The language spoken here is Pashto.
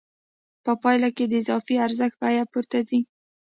په پایله کې د اضافي ارزښت بیه پورته ځي